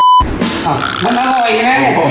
อ้าวมันอร่อยไง